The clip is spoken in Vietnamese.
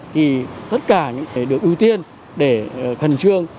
thì tất cả những cái được ưu tiên để khẩn trương